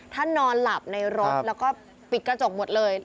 นอนหลับในรถแล้วก็ปิดกระจกหมดเลย